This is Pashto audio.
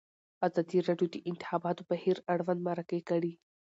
ازادي راډیو د د انتخاباتو بهیر اړوند مرکې کړي.